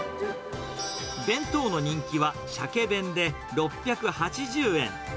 弁当の人気はシャケ弁で６８０円。